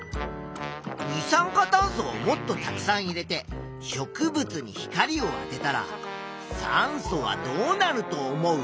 二酸化炭素をもっとたくさん入れて植物に光をあてたら酸素はどうなると思う？